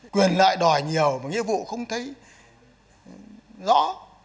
quyền lợi đòi nhiều mà nghĩa vụ không thấy rõ